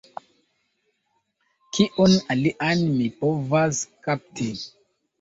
Kion alian mi povas kapti?